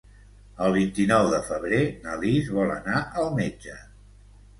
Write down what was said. El vint-i-nou de febrer na Lis vol anar al metge.